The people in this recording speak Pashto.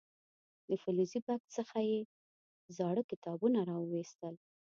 له فلزي بکس څخه یې زاړه کتابونه راو ویستل.